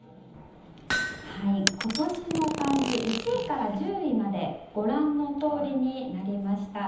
今年の漢字１位から１０位までご覧のとおりになりました。